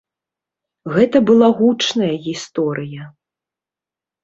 Гэта была гучная гісторыя.